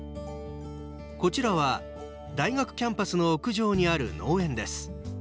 こちらは大学キャンパスの屋上にある農園です。